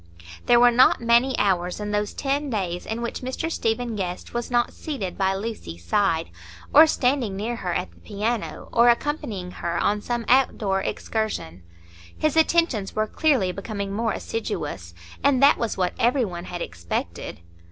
There were not many hours in those ten days in which Mr Stephen Guest was not seated by Lucy's side, or standing near her at the piano, or accompanying her on some outdoor excursion; his attentions were clearly becoming more assiduous, and that was what every one had expected.